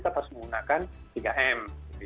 tetap harus menggunakan tiga m